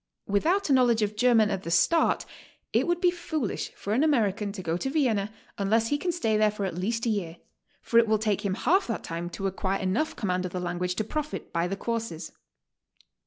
Without a knowledge of German at the start, it would be foolish for an American to go to Vienna unless he can stay there at least a year, for it will take him HOW TO STAY. 163 half that time to acquire enough command of the language to profit by the courses.